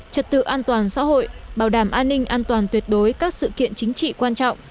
trật tự an toàn xã hội bảo đảm an ninh an toàn tuyệt đối các sự kiện chính trị quan trọng